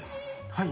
はい。